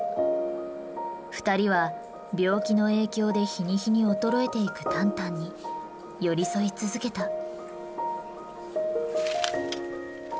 二人は病気の影響で日に日に衰えていくタンタンに寄り添い続けた。